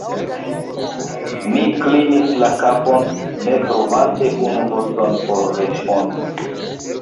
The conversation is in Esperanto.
Mi klinis la kapon, ne trovante unu vorton por respondi.